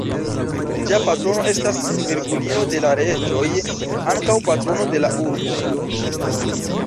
Ĝia patrono estas Virgulino de la Reĝoj, ankaŭ patrono de la urbo.